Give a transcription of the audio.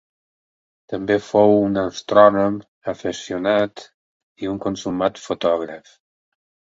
També fou un astrònom afeccionat i un consumat fotògraf.